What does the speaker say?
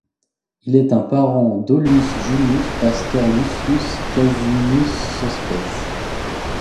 Il est un parent d'Aulus Junius Pastor Lucius Caesennius Sospes.